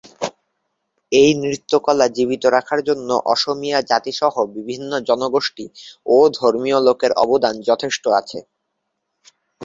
এই নৃত্যকলা জীবিত রাখার জন্য অসমীয়া জাতি সহ বিভিন্ন জনগোষ্ঠী ও ধর্মীয় লোকের অবদান যথেষ্ট আছে।